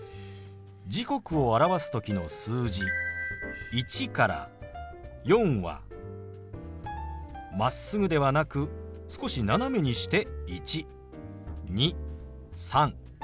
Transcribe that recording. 時刻を表す時の数字１から４はまっすぐではなく少し斜めにして１２３４。